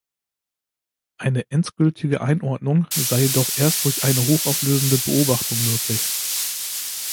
Eine endgültige Einordnung sei jedoch erst durch eine hochauflösende Beobachtung möglich.